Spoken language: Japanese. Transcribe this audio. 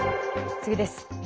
次です。